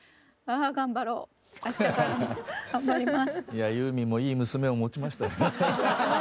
いやユーミンもいい娘を持ちましたね。